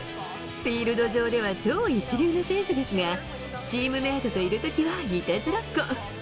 フィールド上では超一流の選手ですが、チームメートといるときはいたずらっ子。